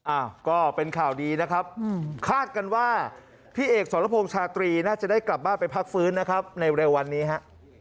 อ้าวก็เป็นข่าวดีนะครับคาดกันว่าพี่เอกสรพงษ์ชาตรีน่าจะได้กลับบ้านไปพักฟื้นนะครับในเร็ววันนี้ฮะ